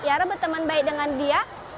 biar berteman baik dengan dia